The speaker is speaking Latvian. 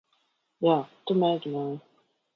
Jā, tu mēģināji.